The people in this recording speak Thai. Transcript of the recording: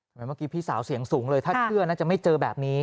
เมื่อกี้พี่สาวเสียงสูงเลยถ้าเชื่อน่าจะไม่เจอแบบนี้